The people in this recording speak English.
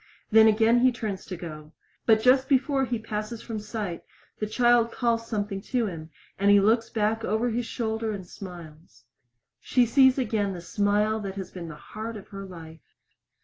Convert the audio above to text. Then again he turns to go. But just before he passes from sight the child calls something to him, and he looks back over his shoulder and smiles. She sees again the smile that has been the heart of her life.